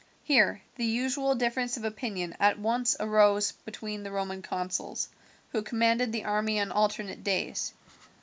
Here the usual difference of opinion at once arose between the Roman consuls, who commanded the army on alternate days.